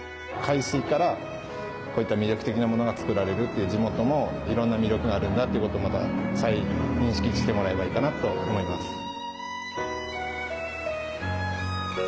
海水からこういった魅力的なものが作られるという地元も色んな魅力があるんだっていう事をまた再認識してもらえばいいかなと思います。